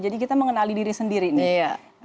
kita mengenali diri sendiri nih